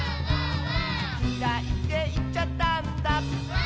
「きらいっていっちゃったんだ」